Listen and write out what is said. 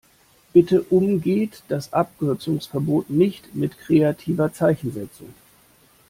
Bitte umgeht das Abkürzungsverbot nicht mit kreativer Zeichensetzung!